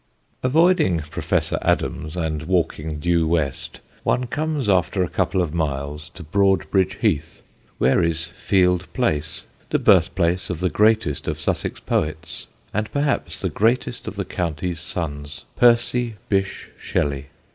Avoiding Professor Adams, and walking due west, one comes after a couple of miles to Broadbridge Heath, where is Field Place, the birthplace of the greatest of Sussex poets, and perhaps the greatest of the county's sons Percy Bysshe Shelley.